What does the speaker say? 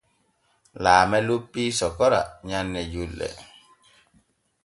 Laame loppii sokora nyanne julɗe.